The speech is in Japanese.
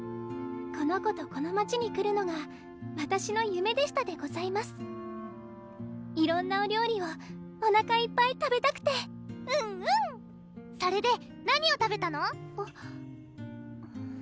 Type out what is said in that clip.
この子とこの街に来るのがわたしの夢でしたでございます色んなお料理をおなかいっぱい食べたくてうんうんそれで何を食べたの？